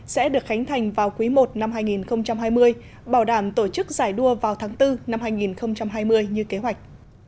sẽ được khánh thành vào quý i năm hai nghìn hai mươi bảo đảm tổ chức giải đua vào tháng bốn năm hai nghìn hai mươi như kế hoạch